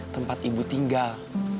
tempat ibu tinggal